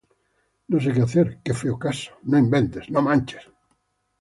No sé que hacer. ¡Qué feo caso! ¡No inventes! ¡No manches!